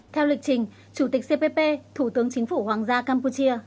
theo lịch trình chủ tịch cpp thủ tướng chính phủ hoàng gia campuchia